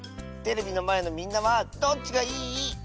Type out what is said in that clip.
テレビのまえのみんなはどっちがいい？